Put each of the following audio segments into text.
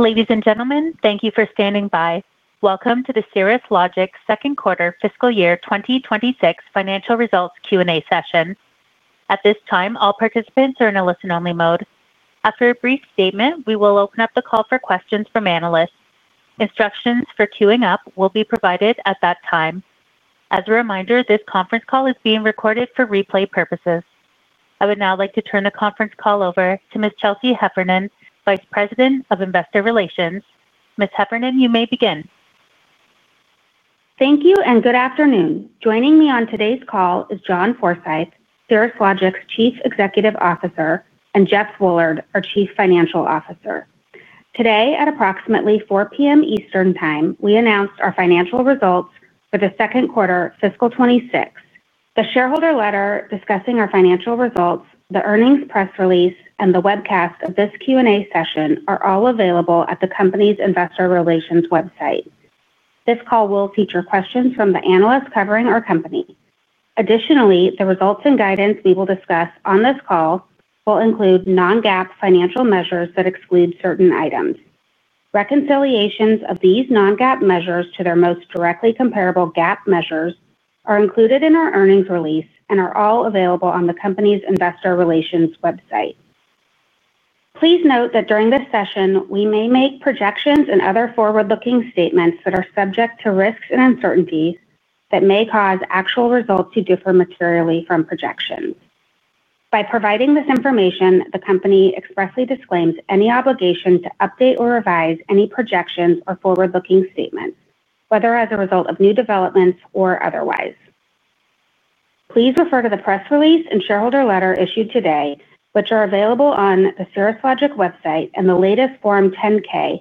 Ladies and gentlemen, thank you for standing by. Welcome to the Cirrus Logic second quarter, fiscal year 2026, financial results Q&A session. At this time, all participants are in a listen-only mode. After a brief statement, we will open up the call for questions from analysts. Instructions for queuing up will be provided at that time. As a reminder, this conference call is being recorded for replay purposes. I would now like to turn the conference call over to Ms. Chelsea Heffernan, Vice President of Investor Relations. Ms. Heffernan, you may begin. Thank you, and good afternoon. Joining me on today's call is John Forsyth, Cirrus Logic's Chief Executive Officer, and Jeff Woolard, our Chief Financial Officer. Today, at approximately 4:00 P.M. Eastern Time, we announced our financial results for the second quarter, fiscal 2026. The shareholder letter discussing our financial results, the earnings press release, and the webcast of this Q&A session are all available at the company's Investor Relations website. This call will feature questions from the analysts covering our company. Additionally, the results and guidance we will discuss on this call will include non-GAAP financial measures that exclude certain items. Reconciliations of these non-GAAP measures to their most directly comparable GAAP measures are included in our earnings release and are all available on the company's Investor Relations website. Please note that during this session, we may make projections and other forward-looking statements that are subject to risks and uncertainty that may cause actual results to differ materially from projections. By providing this information, the company expressly disclaims any obligation to update or revise any projections or forward-looking statements, whether as a result of new developments or otherwise. Please refer to the press release and shareholder letter issued today, which are available on the Cirrus Logic website and the latest Form 10-K,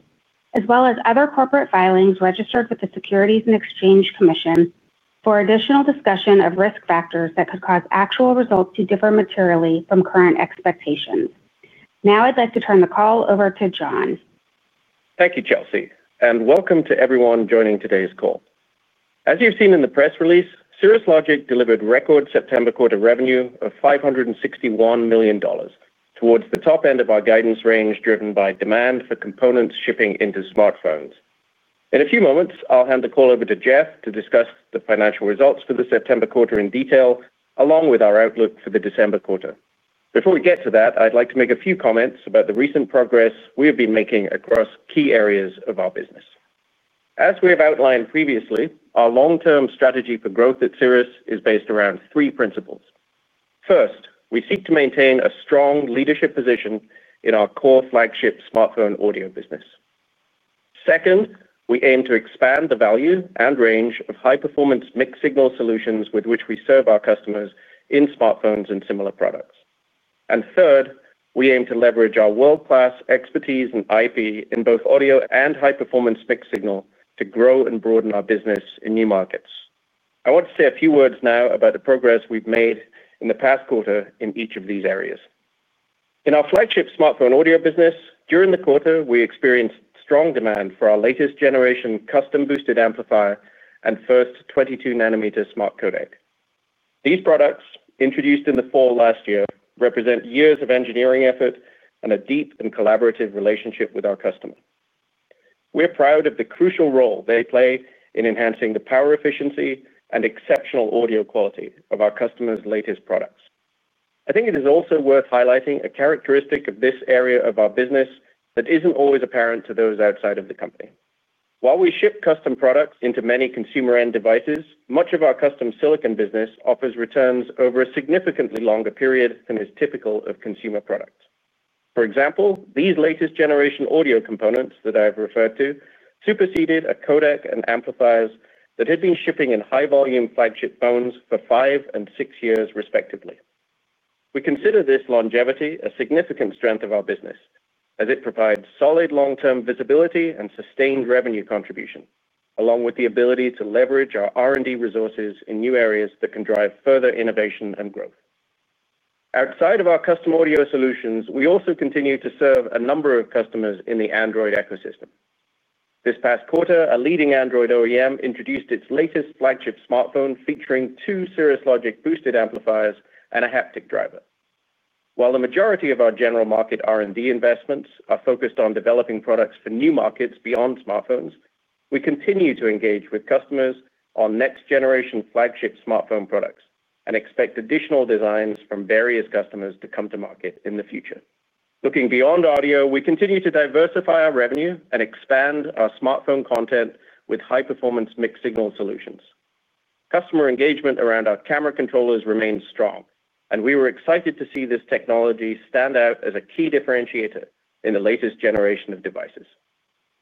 as well as other corporate filings registered with the Securities and Exchange Commission for additional discussion of risk factors that could cause actual results to differ materially from current expectations. Now, I'd like to turn the call over to John. Thank you, Chelsea, and welcome to everyone joining today's call. As you've seen in the press release, Cirrus Logic delivered record September quarter revenue of $561 million towards the top end of our guidance range driven by demand for components shipping into smartphones. In a few moments, I'll hand the call over to Jeff to discuss the financial results for the September quarter in detail, along with our outlook for the December quarter. Before we get to that, I'd like to make a few comments about the recent progress we have been making across key areas of our business. As we have outlined previously, our long-term strategy for growth at Cirrus is based around three principles. First, we seek to maintain a strong leadership position in our core flagship smartphone audio business. Second, we aim to expand the value and range of high-performance mixed-signal solutions with which we serve our customers in smartphones and similar products. And third, we aim to leverage our world-class expertise and IP in both audio and high-performance mixed-signal to grow and broaden our business in new markets. I want to say a few words now about the progress we've made in the past quarter in each of these areas. In our flagship smartphone audio business, during the quarter, we experienced strong demand for our latest generation custom-boosted amplifier and first 22-nanometer smart codec. These products, introduced in the fall last year, represent years of engineering effort and a deep and collaborative relationship with our customer. We're proud of the crucial role they play in enhancing the power efficiency and exceptional audio quality of our customers' latest products. I think it is also worth highlighting a characteristic of this area of our business that isn't always apparent to those outside of the company. While we ship custom products into many consumer-end devices, much of our custom silicon business offers returns over a significantly longer period than is typical of consumer products. For example, these latest generation audio components that I have referred to superseded a codec and amplifiers that had been shipping in high-volume flagship phones for five and six years, respectively. We consider this longevity a significant strength of our business, as it provides solid long-term visibility and sustained revenue contribution, along with the ability to leverage our R&D resources in new areas that can drive further innovation and growth. Outside of our custom audio solutions, we also continue to serve a number of customers in the Android ecosystem. This past quarter, a leading Android OEM introduced its latest flagship smartphone featuring two Cirrus Logic boosted amplifiers and a haptic driver. While the majority of our general market R&D investments are focused on developing products for new markets beyond smartphones, we continue to engage with customers on next-generation flagship smartphone products and expect additional designs from various customers to come to market in the future. Looking beyond audio, we continue to diversify our revenue and expand our smartphone content with high-performance mixed-signal solutions. Customer engagement around our camera controllers remains strong, and we were excited to see this technology stand out as a key differentiator in the latest generation of devices.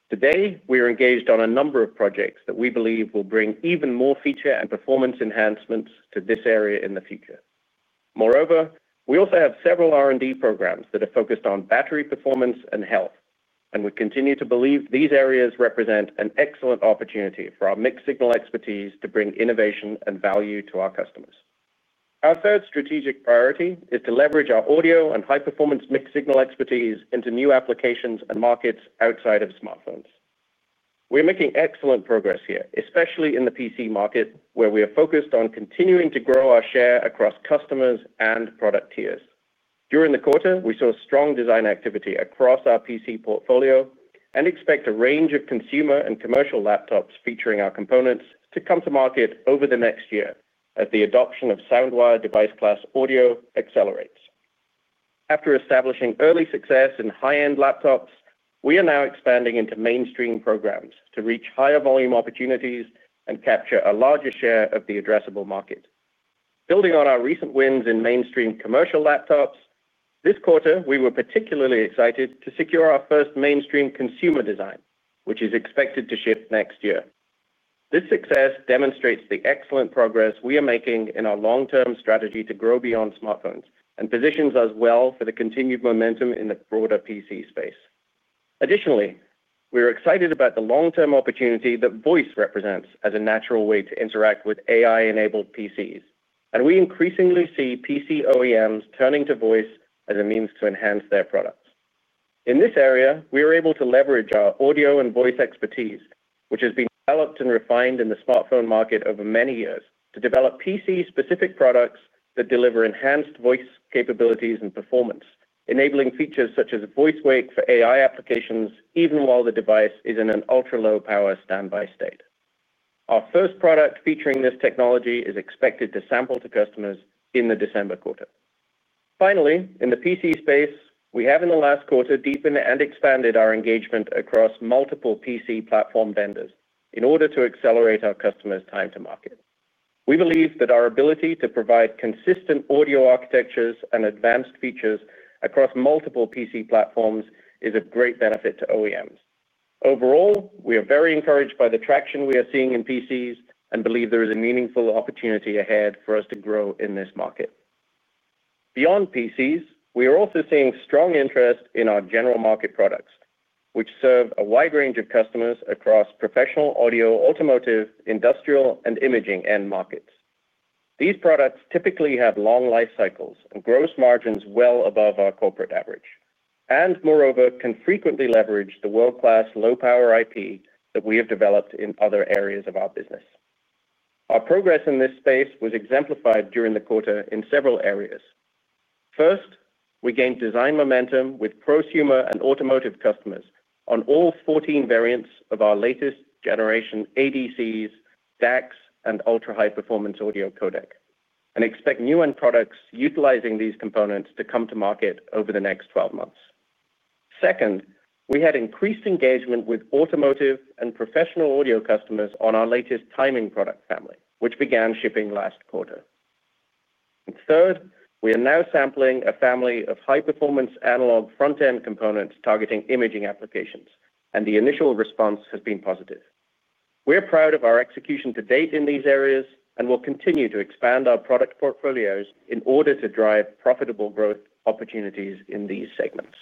Today, we are engaged on a number of projects that we believe will bring even more feature and performance enhancements to this area in the future. Moreover, we also have several R&D programs that are focused on battery performance and health, and we continue to believe these areas represent an excellent opportunity for our mixed-signal expertise to bring innovation and value to our customers. Our third strategic priority is to leverage our audio and high-performance mixed-signal expertise into new applications and markets outside of smartphones. We are making excellent progress here, especially in the PC market, where we are focused on continuing to grow our share across customers and product tiers. During the quarter, we saw strong design activity across our PC portfolio and expect a range of consumer and commercial laptops featuring our components to come to market over the next year as the adoption of SoundWire device-class audio accelerates. After establishing early success in high-end laptops, we are now expanding into mainstream programs to reach higher volume opportunities and capture a larger share of the addressable market. Building on our recent wins in mainstream commercial laptops, this quarter, we were particularly excited to secure our first mainstream consumer design, which is expected to ship next year. This success demonstrates the excellent progress we are making in our long-term strategy to grow beyond smartphones and positions us well for the continued momentum in the broader PC space. Additionally, we are excited about the long-term opportunity that voice represents as a natural way to interact with AI-enabled PCs, and we increasingly see PC OEMs turning to voice as a means to enhance their products. In this area, we are able to leverage our audio and voice expertise, which has been developed and refined in the smartphone market over many years, to develop PC-specific products that deliver enhanced voice capabilities and performance, enabling features such as voice wake for AI applications even while the device is in an ultra-low power standby state. Our first product featuring this technology is expected to sample to customers in the December quarter. Finally, in the PC space, we have in the last quarter deepened and expanded our engagement across multiple PC platform vendors in order to accelerate our customers' time to market. We believe that our ability to provide consistent audio architectures and advanced features across multiple PC platforms is of great benefit to OEMs. Overall, we are very encouraged by the traction we are seeing in PCs and believe there is a meaningful opportunity ahead for us to grow in this market. Beyond PCs, we are also seeing strong interest in our general market products, which serve a wide range of customers across professional audio, automotive, industrial, and imaging end markets. These products typically have long life cycles and gross margins well above our corporate average, and moreover, can frequently leverage the world-class low-power IP that we have developed in other areas of our business. Our progress in this space was exemplified during the quarter in several areas. First, we gained design momentum with prosumer and automotive customers on all 14 variants of our latest generation ADCs, DACs, and Ultra-High Performance Audio Codec, and expect new end products utilizing these components to come to market over the next 12 months. Second, we had increased engagement with automotive and professional audio customers on our latest Timing Product Family, which began shipping last quarter. And third, we are now sampling a family of High-Performance Analog Front-End components targeting imaging applications, and the initial response has been positive. We're proud of our execution to date in these areas and will continue to expand our product portfolios in order to drive profitable growth opportunities in these segments.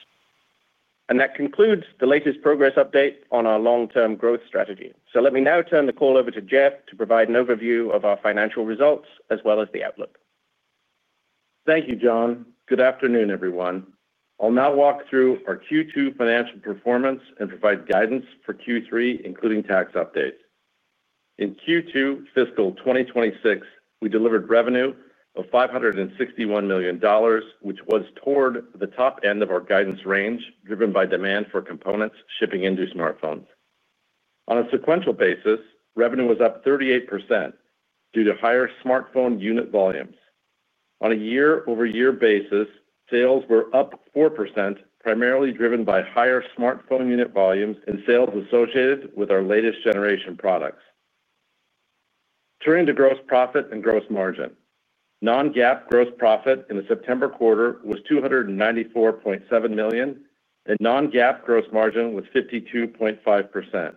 And that concludes the latest progress update on our long-term growth strategy. So let me now turn the call over to Jeff to provide an overview of our financial results as well as the outlook. Thank you, John. Good afternoon, everyone. I'll now walk through our Q2 financial performance and provide guidance for Q3, including tax updates. In Q2 fiscal 2026, we delivered revenue of $561 million, which was toward the top end of our guidance range driven by demand for components shipping into smartphones. On a sequential basis, revenue was up 38% due to higher smartphone unit volumes. On a year-over-year basis, sales were up 4%, primarily driven by higher smartphone unit volumes and sales associated with our latest generation products. Turning to gross profit and gross margin, non-GAAP gross profit in the September quarter was $294.7 million, and non-GAAP gross margin was 52.5%.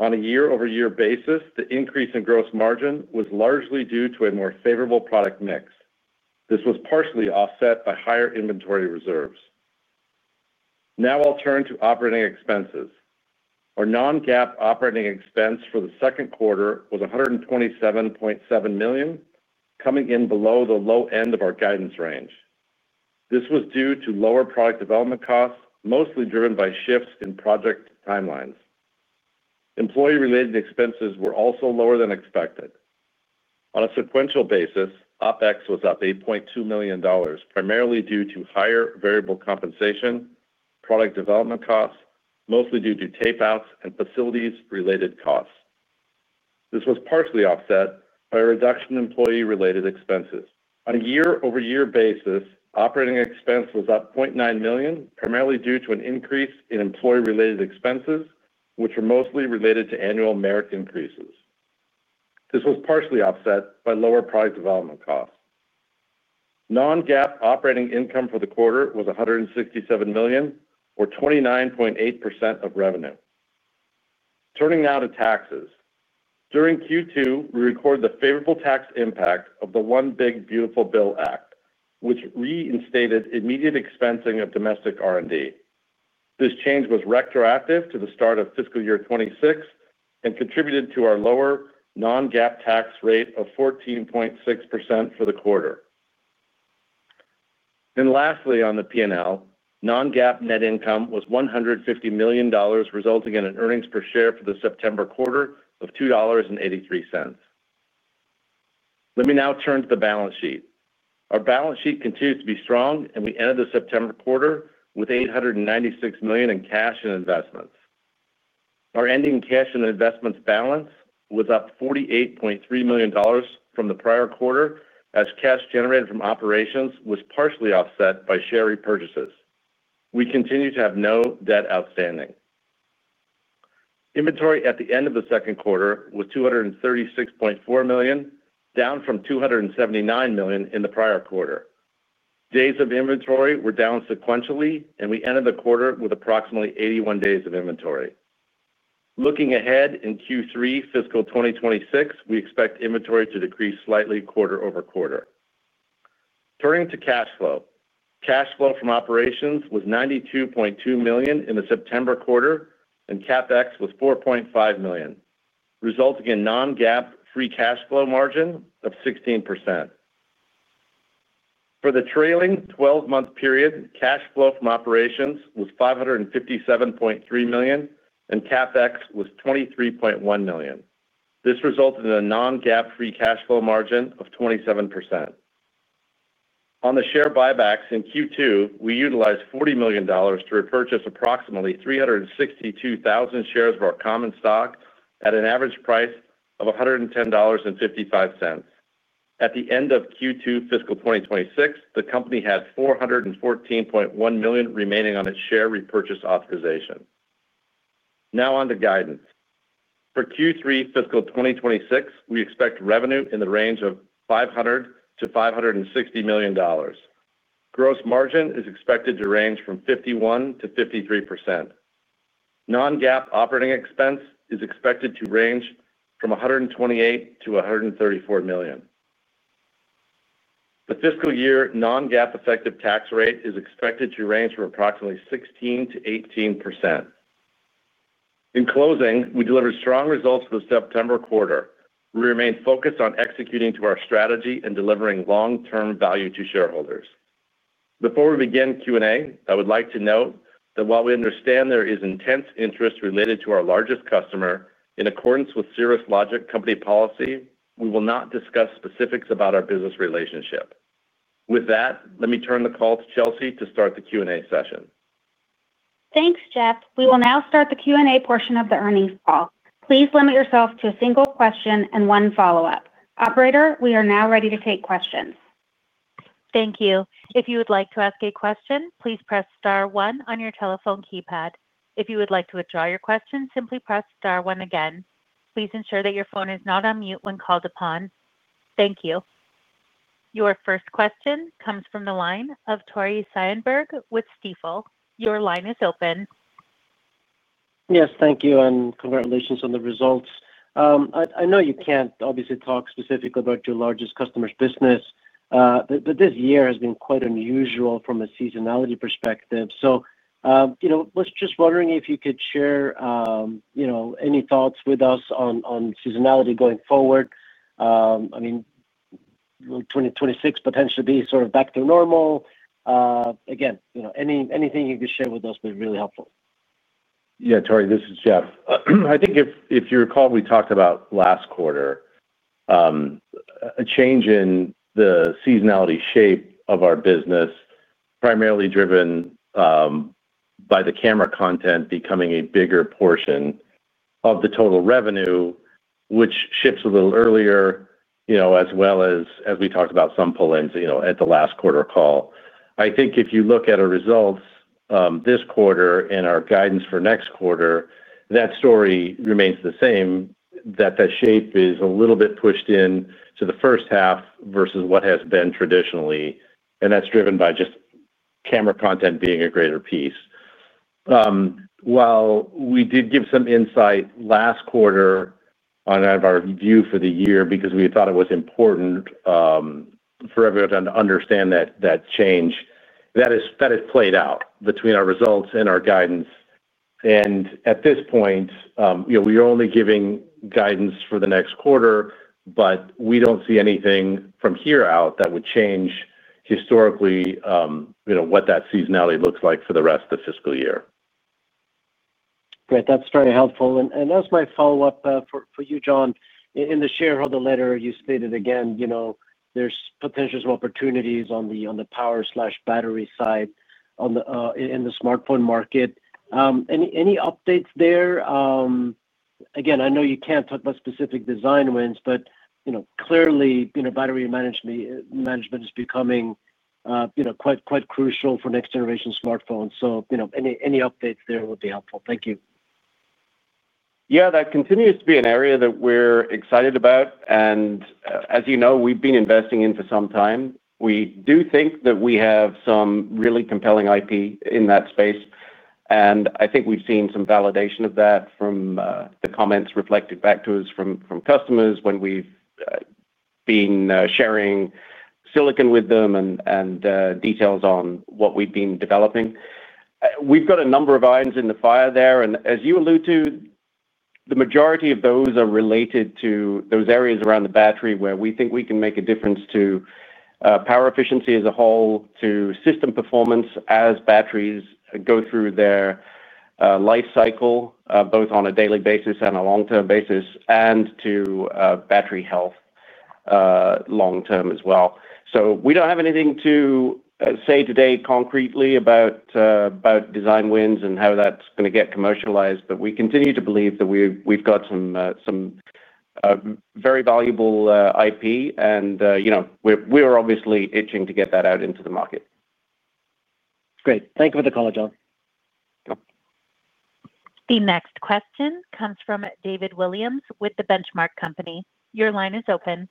On a year-over-year basis, the increase in gross margin was largely due to a more favorable product mix. This was partially offset by higher inventory reserves. Now I'll turn to operating expenses. Our non-GAAP operating expense for the second quarter was $127.7 million, coming in below the low end of our guidance range. This was due to lower product development costs, mostly driven by shifts in project timelines. Employee-related expenses were also lower than expected. On a sequential basis, OpEx was up $8.2 million, primarily due to higher variable compensation, product development costs, mostly due to tape-outs and facilities-related costs. This was partially offset by a reduction in employee-related expenses. On a year-over-year basis, operating expense was up $0.9 million, primarily due to an increase in employee-related expenses, which were mostly related to annual merit increases. This was partially offset by lower product development costs. Non-GAAP operating income for the quarter was $167 million, or 29.8% of revenue. Turning now to taxes. During Q2, we recorded the favorable tax impact of the One Big Beautiful Bill Act, which reinstated immediate expensing of domestic R&D. This change was retroactive to the start of fiscal year 2026 and contributed to our lower non-GAAP tax rate of 14.6% for the quarter. And lastly, on the P&L, non-GAAP net income was $150 million, resulting in an earnings per share for the September quarter of $2.83. Let me now turn to the balance sheet. Our balance sheet continues to be strong, and we ended the September quarter with $896 million in cash and investments. Our ending cash and investments balance was up $48.3 million from the prior quarter, as cash generated from operations was partially offset by share repurchases. We continue to have no debt outstanding. Inventory at the end of the second quarter was $236.4 million, down from $279 million in the prior quarter. Days of inventory were down sequentially, and we ended the quarter with approximately 81 days of inventory. Looking ahead in Q3 fiscal 2026, we expect inventory to decrease slightly quarter over quarter. Turning to cash flow, cash flow from operations was $92.2 million in the September quarter, and CapEx was $4.5 million, resulting in non-GAAP free cash flow margin of 16%. For the trailing 12-month period, cash flow from operations was $557.3 million, and CapEx was $23.1 million. This resulted in a non-GAAP free cash flow margin of 27%. On the share buybacks in Q2, we utilized $40 million to repurchase approximately 362,000 shares of our common stock at an average price of $110.55. At the end of Q2 fiscal 2026, the company had $414.1 million remaining on its share repurchase authorization. Now on to guidance. For Q3 fiscal 2026, we expect revenue in the range of $500 million-$560 million. Gross margin is expected to range from 51%-53%. Non-GAAP operating expense is expected to range from $128 million-$134 million. The fiscal year non-GAAP effective tax rate is expected to range from approximately 16%-18%. In closing, we delivered strong results for the September quarter. We remained focused on executing to our strategy and delivering long-term value to shareholders. Before we begin Q&A, I would like to note that while we understand there is intense interest related to our largest customer, in accordance with Cirrus Logic company policy, we will not discuss specifics about our business relationship. With that, let me turn the call to Chelsea to start the Q&A session. Thanks, Jeff. We will now start the Q&A portion of the earnings call. Please limit yourself to a single question and one follow-up. Operator, we are now ready to take questions. Thank you. If you would like to ask a question, please press star one on your telephone keypad. If you would like to withdraw your question, simply press star one again. Please ensure that your phone is not on mute when called upon. Thank you. Your first question comes from the line of Tore Svanberg with Stifel. Your line is open. Yes, thank you, and congratulations on the results. I know you can't obviously talk specifically about your largest customer's business, but this year has been quite unusual from a seasonality perspective, so just wondering if you could share any thoughts with us on seasonality going forward. I mean, 2026 potentially be sort of back to normal. Again, anything you could share with us would be really helpful. Yeah, Tore, this is Jeff. I think if you recall, we talked about last quarter a change in the seasonality shape of our business, primarily driven by the camera content becoming a bigger portion of the total revenue, which shifts a little earlier, as well as we talked about some pull-ins at the last quarter call. I think if you look at our results this quarter and our guidance for next quarter, that story remains the same, that that shape is a little bit pushed into the first half versus what has been traditionally, and that's driven by just camera content being a greater piece. While we did give some insight last quarter on our view for the year because we thought it was important for everyone to understand that change, that has played out between our results and our guidance. And at this point we are only giving guidance for the next quarter, but we don't see anything from here out that would change historically what that seasonality looks like for the rest of the fiscal year. Great. That's very helpful and as my follow-up for you, John, in the shareholder letter, you stated again. There's potential opportunities on the power/battery side in the smartphone market. Any updates there? Again, I know you can't talk about specific design wins, but clearly battery management is becoming quite crucial for next-generation smartphones, so any updates there would be helpful. Thank you. Yeah, that continues to be an area that we're excited about. And as you know, we've been investing in for some time. We do think that we have some really compelling IP in that space. And I think we've seen some validation of that from the comments reflected back to us from customers when we've been sharing silicon with them and details on what we've been developing. We've got a number of irons in the fire there. And as you alluded to, the majority of those are related to those areas around the battery where we think we can make a difference to power efficiency as a whole, to system performance as batteries go through their life cycle, both on a daily basis and a long-term basis, and to battery health long-term as well. So we don't have anything to say today concretely about design wins and how that's going to get commercialized, but we continue to believe that we've got some very valuable IP, and we are obviously itching to get that out into the market. Great. Thank you for the call, John. The next question comes from David Williams with The Benchmark Company. Your line is open.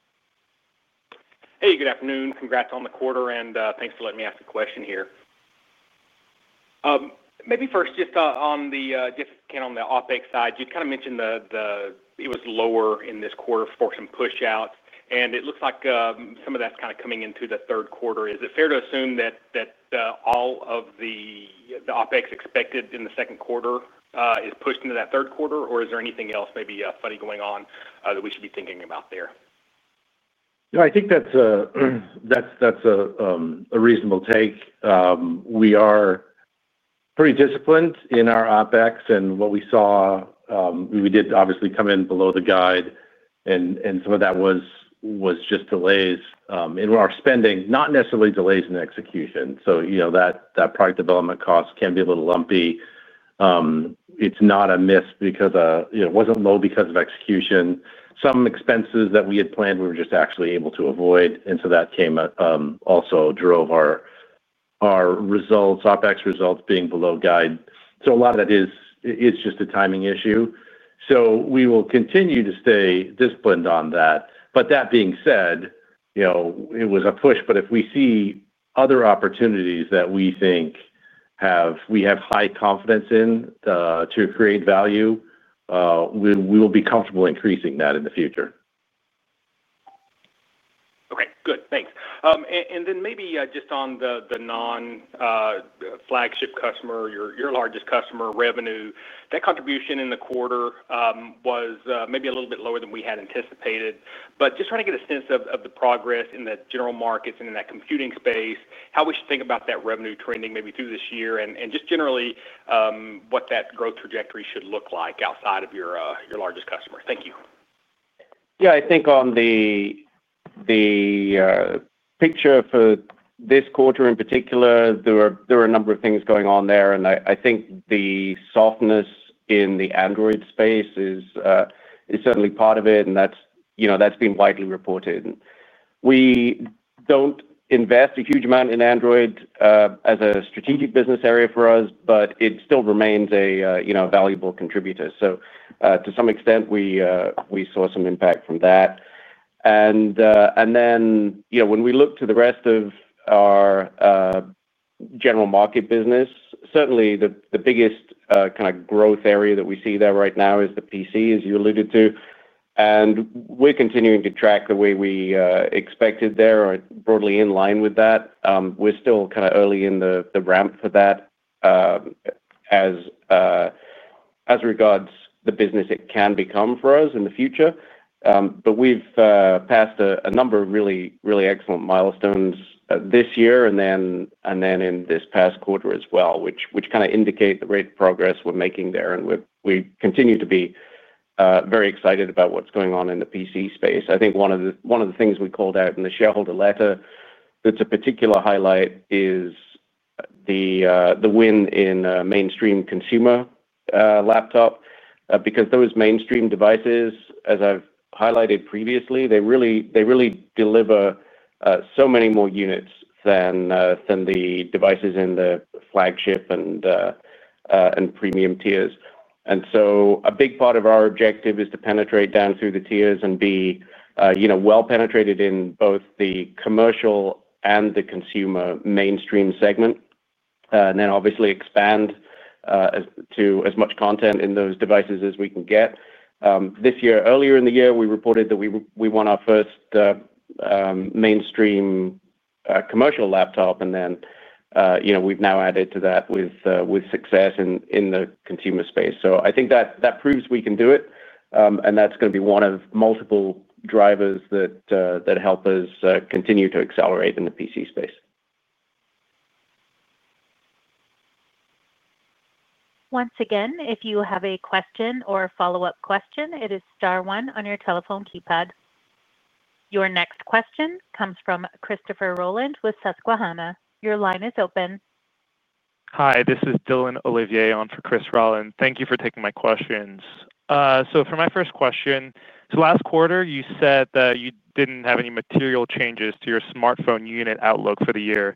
Hey, good afternoon. Congrats on the quarter, and thanks for letting me ask a question here. Maybe first, just on the OpEx side, you kind of mentioned it was lower in this quarter for some push-outs, and it looks like some of that's kind of coming into the third quarter. Is it fair to assume that all of the OpEx expected in the second quarter is pushed into that third quarter, or is there anything else maybe funny going on that we should be thinking about there? No, I think that's a reasonable take. We are pretty disciplined in our OpEx, and what we saw, we did obviously come in below the guide, and some of that was just delays in our spending, not necessarily delays in execution, so that product development cost can be a little lumpy. It's not a miss because it wasn't low because of execution. Some expenses that we had planned, we were just actually able to avoid, and so that also drove our OpEx results being below guide, so a lot of that is just a timing issue, so we will continue to stay disciplined on that, but that being said, it was a push, but if we see other opportunities that we think we have high confidence in to create value, we will be comfortable increasing that in the future. Okay. Good. Thanks. And then maybe just on the non-flagship customer, your largest customer, revenue, that contribution in the quarter was maybe a little bit lower than we had anticipated. But just trying to get a sense of the progress in the general markets and in that computing space, how we should think about that revenue trending maybe through this year, and just generally what that growth trajectory should look like outside of your largest customer. Thank you. Yeah, I think on the picture for this quarter in particular, there are a number of things going on there, and I think the softness in the Android space is certainly part of it, and that's been widely reported. We don't invest a huge amount in Android as a strategic business area for us, but it still remains a valuable contributor. So to some extent, we saw some impact from that. And then when we look to the rest of our general market business, certainly the biggest kind of growth area that we see there right now is the PC, as you alluded to. And we're continuing to track the way we expected there, broadly in line with that. We're still kind of early in the ramp for that. As regards the business it can become for us in the future. But we've passed a number of really excellent milestones this year and then in this past quarter as well, which kind of indicate the rate of progress we're making there. And we continue to be very excited about what's going on in the PC space. I think one of the things we called out in the shareholder letter that's a particular highlight is the win in mainstream consumer laptop because those mainstream devices, as I've highlighted previously, they really deliver so many more units than the devices in the flagship and premium tiers. And so a big part of our objective is to penetrate down through the tiers and be well-penetrated in both the commercial and the consumer mainstream segment. And then obviously expand to as much content in those devices as we can get. This year, earlier in the year, we reported that we won our first mainstream commercial laptop, and then we've now added to that with success in the consumer space. So I think that proves we can do it, and that's going to be one of multiple drivers that help us continue to accelerate in the PC space. Once again, if you have a question or a follow-up question, it is star one on your telephone keypad. Your next question comes from Christopher Rolland with Susquehanna. Your line is open. Hi, this is Jillian Olivier on for Chris Rolland. Thank you for taking my questions. So for my first question, so last quarter, you said that you didn't have any material changes to your smartphone unit outlook for the year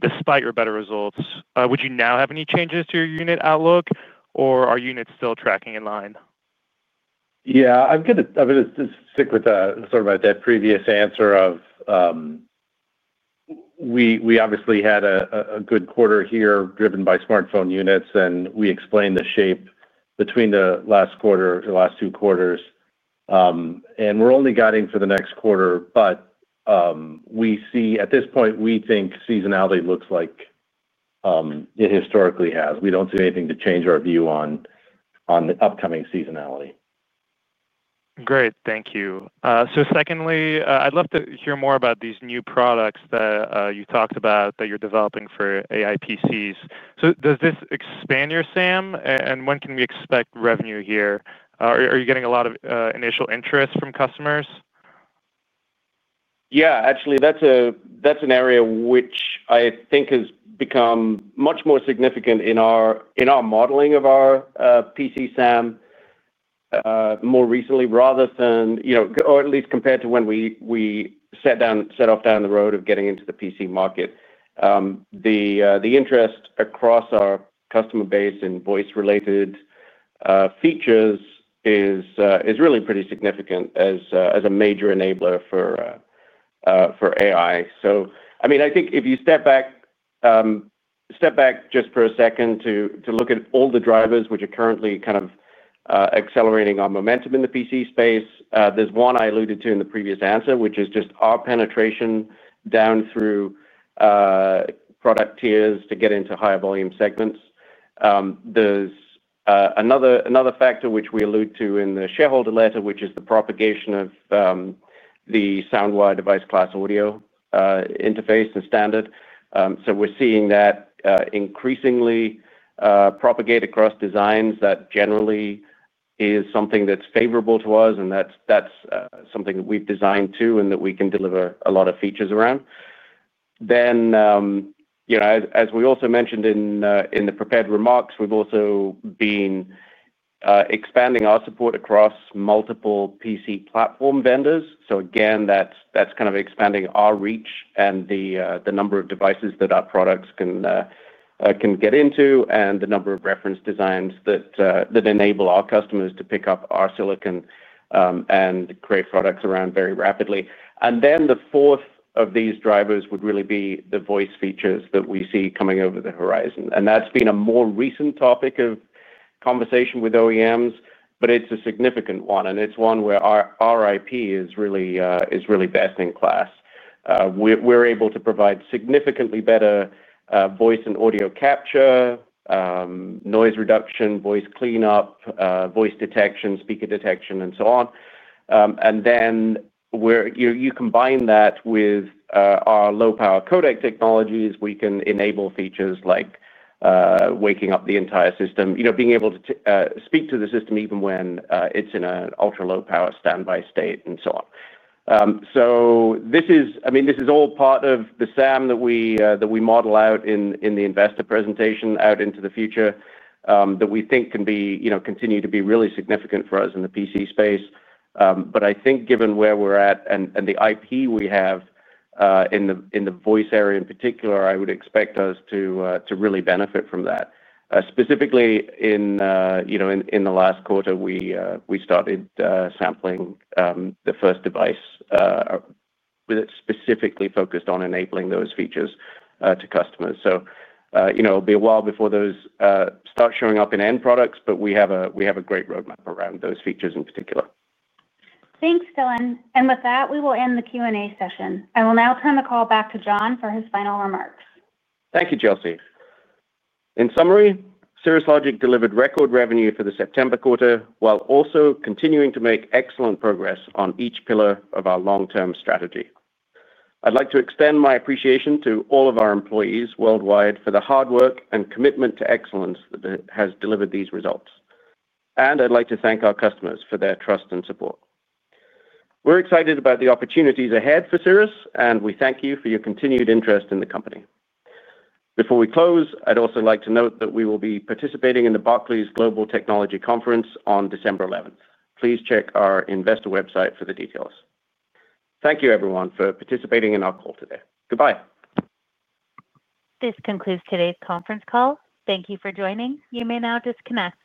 despite your better results. Would you now have any changes to your unit outlook, or are units still tracking in line? Yeah, I'm going to stick with sort of that previous answer of. We obviously had a good quarter here driven by smartphone units, and we explained the shape between the last quarter or the last two quarters, and we're only guiding for the next quarter, but at this point, we think seasonality looks like it historically has. We don't see anything to change our view on the upcoming seasonality. Great. Thank you. So secondly, I'd love to hear more about these new products that you talked about that you're developing for AI PCs. So does this expand your SAM? And when can we expect revenue here? Are you getting a lot of initial interest from customers? Yeah, actually, that's an area which I think has become much more significant in our modeling of our PC SAM. More recently, rather than, or at least compared to when we set off down the road of getting into the PC market, the interest across our customer base in voice-related features is really pretty significant as a major enabler for AI. So I mean, I think if you step back just for a second to look at all the drivers which are currently kind of accelerating our momentum in the PC space, there's one I alluded to in the previous answer, which is just our penetration down through product tiers to get into higher volume segments. There's another factor which we allude to in the shareholder letter, which is the propagation of the SoundWire device class audio interface and standard. So we're seeing that increasingly propagate across designs. That generally is something that's favorable to us, and that's something that we've designed too and that we can deliver a lot of features around. Then as we also mentioned in the prepared remarks, we've also been expanding our support across multiple PC platform vendors. So again, that's kind of expanding our reach and the number of devices that our products can get into and the number of reference designs that enable our customers to pick up our silicon and create products around very rapidly. And then the fourth of these drivers would really be the voice features that we see coming over the horizon. And that's been a more recent topic of conversation with OEMs, but it's a significant one, and it's one where our IP is really best in class. We're able to provide significantly better voice and audio capture, noise reduction, voice cleanup, voice detection, speaker detection, and so on. And then you combine that with our low-power codec technologies, we can enable features like waking up the entire system, being able to speak to the system even when it's in an ultra-low-power standby state and so on. So I mean, this is all part of the SAM that we model out in the investor presentation out into the future that we think can continue to be really significant for us in the PC space. But I think given where we're at and the IP we have in the voice area in particular, I would expect us to really benefit from that. Specifically, in the last quarter, we started sampling the first device with it specifically focused on enabling those features to customers. So it'll be a while before those start showing up in end products, but we have a great roadmap around those features in particular. Thanks, Jillian. And with that, we will end the Q&A session. I will now turn the call back to John for his final remarks. Thank you, Chelsea. In summary, Cirrus Logic delivered record revenue for the September quarter while also continuing to make excellent progress on each pillar of our long-term strategy. I'd like to extend my appreciation to all of our employees worldwide for the hard work and commitment to excellence that has delivered these results. And I'd like to thank our customers for their trust and support. We're excited about the opportunities ahead for Cirrus, and we thank you for your continued interest in the company. Before we close, I'd also like to note that we will be participating in the Barclays Global Technology Conference on December 11th. Please check our investor website for the details. Thank you, everyone, for participating in our call today. Goodbye. This concludes today's conference call. Thank you for joining. You may now disconnect.